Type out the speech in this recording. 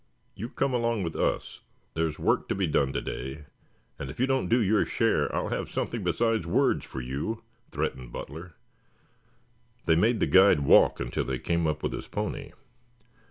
"You come along with us. There's work to be done today and if you don't do your share, I shall have something besides words for you," threatened Butler. They made the guide walk until they came up with his pony.